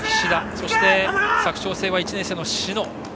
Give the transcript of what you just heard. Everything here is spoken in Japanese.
そして佐久長聖は１年生の篠。